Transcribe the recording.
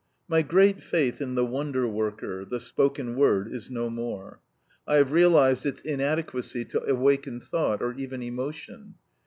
My great faith in the wonder worker, the spoken word, is no more. I have realized its inadequacy to awaken thought, or even emotion.